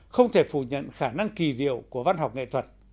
không thể phủ nhận khả năng kỳ diệu của văn học nghệ thuật